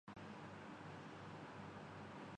خود فریبی کا شکارہیں۔